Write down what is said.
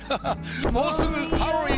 もうすぐハロウィーン